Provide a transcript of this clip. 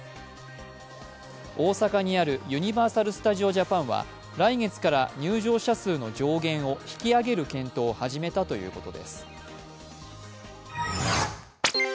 大阪にあるユニバーサル・スタジオ・ジャパンは来月から入場者数の上限を引き上げる検討を始めたということです。